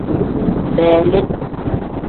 Beli.